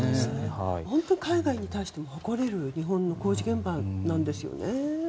海外に対しても誇れる日本の工事現場なんですよね。